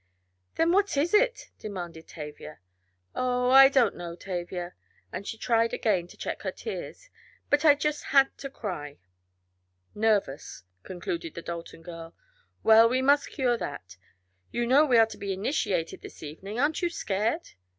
"Then what is it?" demanded Tavia. "Oh, I don't know, Tavia," and she tried again to check her tears, "but I just had to cry." "Nervous," concluded the Dalton girl. "Well, we must cure that. You know we are to be initiated this evening. Aren't you scared?"